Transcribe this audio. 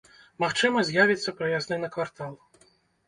Магчыма, з'явіцца праязны на квартал.